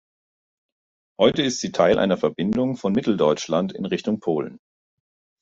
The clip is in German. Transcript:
Heute ist sie Teil einer Verbindung von Mitteldeutschland in Richtung Polen.